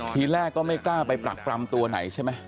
ทีแรกก็ไม่กล้าไปปรักปรำตัวไหนใช่ไหม